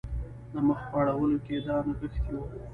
د مخ په اړولو کې یې دا نغښتي وو.